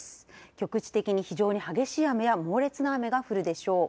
局地的に非常に激しい雨や猛烈な雨が降るでしょう。